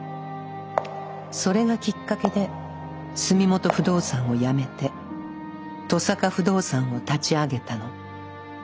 それがきっかけで住元不動産をやめて登坂不動産を立ち上げたの。